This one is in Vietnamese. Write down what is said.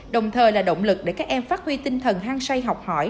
đồng thời là động lực để các em phát huy tinh thần hang say học hỏi